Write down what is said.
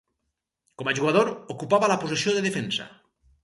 Com a jugador ocupava la posició de defensa.